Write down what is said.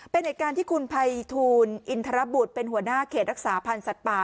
เป็นเหตุการณ์ที่คุณภัยทูลอินทรบุตรเป็นหัวหน้าเขตรักษาพันธ์สัตว์ป่า